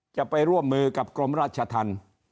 จะไปร่วมมือกับกรมราชธรรม